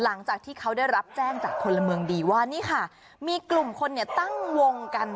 หลังจากที่เขาได้รับแจ้งจากพลเมืองดีว่านี่ค่ะมีกลุ่มคนเนี่ยตั้งวงกัน